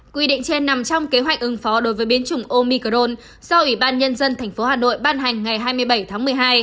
quy định trên nằm trong kế hoạch ứng phó đối với biến chủng omicrone do ủy ban nhân dân tp hà nội ban hành ngày hai mươi bảy tháng một mươi hai